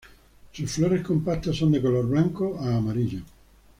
Sus flores compactas son de color blanco a amarillo.